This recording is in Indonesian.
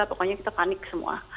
pokoknya kita panik semua